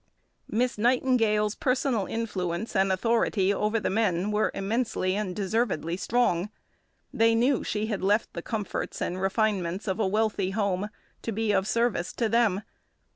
Miss Nightingale's personal influence and authority over the men were immensely and deservedly strong. They knew she had left the comforts and refinements of a wealthy home to be of service to them.